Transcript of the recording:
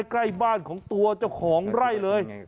ใกล้บ้านของตัวเจ้าของไร่เลย